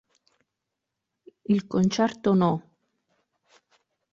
Il Concerto No.